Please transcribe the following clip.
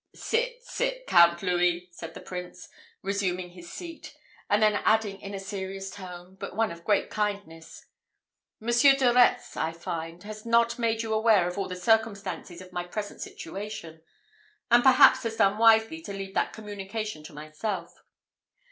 "Sit, sit, Count Louis!" said the prince, resuming his seat, and then adding in a serious tone, but one of great kindness, "Monsieur de Retz, I find, has not made you aware of all the circumstances of my present situation; and perhaps has done wisely to leave that communication to myself.